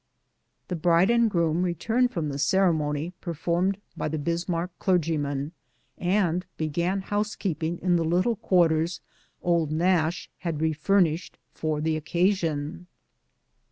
The bride and groom returned from the ceremony performed by the Bismarck clergyman, and began liouse keeping in the little quarters " Old Nash " had refur bished for the occasion.